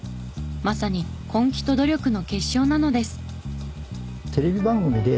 まさに根気と努力の結晶なのです。